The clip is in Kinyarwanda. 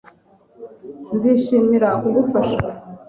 Nzishimira kugufasha.